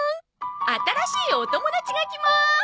新しいお友達が来ます！